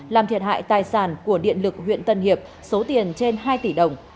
làm thiệt hại tài sản của điện lực huyện tân hiệp số tiền trên hai tỷ đồng